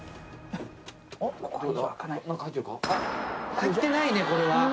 入ってないねこれは。